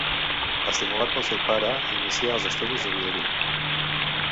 Estimulat pel seu pare, inicià els estudis de violí.